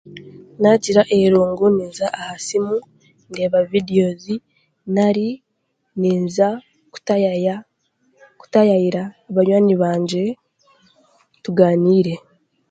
Naagira eirungu ninza aha siimu ndeeba vidiyozi nari ninza kutayaya kutayaayira banywani bangye tuganiire.